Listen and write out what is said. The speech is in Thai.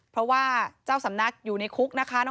เพราะว่าเจ้าสำนักอยู่ในคุกนะคะ